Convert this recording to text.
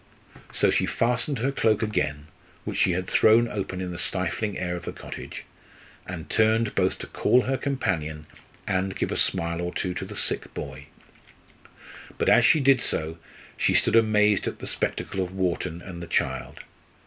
So she fastened her cloak again, which she had thrown open in the stifling air of the cottage, and turned both to call her companion and give a smile or two to the sick boy. But, as she did so, she stood amazed at the spectacle of Wharton and the child.